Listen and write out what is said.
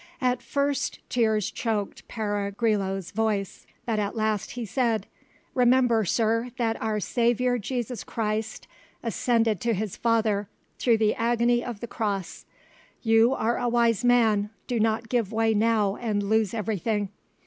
At first tears choked Pere Grillau's voice, but at last he said, "Remember, sir, that our Saviour Jesus Christ ascended to His Father through the agony of the Cross: you are a wise man, do not give way now and lose everything.